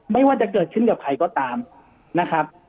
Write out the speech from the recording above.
ไม่ว่าจะเกิดขึ้นกับใครก็ตามนะครับ